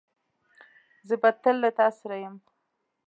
زه به تل له تاسره یم